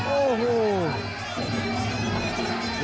โอ้โห